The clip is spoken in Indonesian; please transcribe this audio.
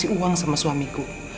dia kasih uang sama suamiku